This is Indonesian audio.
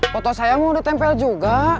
foto sayangmu udah tempel juga